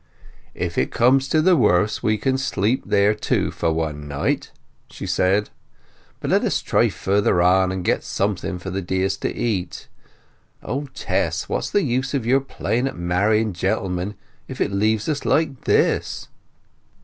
"If it comes to the worst we can sleep there too, for one night," she said. "But let us try further on, and get something for the dears to eat! O, Tess, what's the use of your playing at marrying gentlemen, if it leaves us like this!"